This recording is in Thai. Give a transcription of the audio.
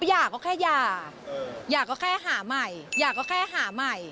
อยากก็แค่อยากอยากก็แค่หาใหม่